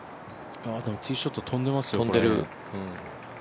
ティーショット飛んでますよ。